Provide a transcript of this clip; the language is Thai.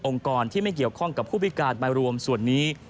กรที่ไม่เกี่ยวข้องกับผู้พิการมารวมส่วนนี้